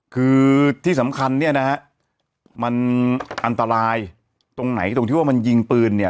คือที่สำคัญเนี่ยนะฮะมันอันตรายตรงไหนตรงที่ว่ามันยิงปืนเนี่ย